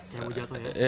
yang mau jatuh ya